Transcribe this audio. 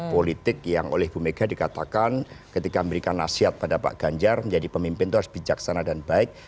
politik yang oleh ibu mega dikatakan ketika memberikan nasihat pada pak ganjar menjadi pemimpin itu harus bijaksana dan baik